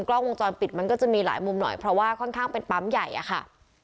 กล้องวงจรปิดมันก็จะมีหลายมุมหน่อยเพราะว่าค่อนข้างเป็นปั๊มใหญ่อะค่ะ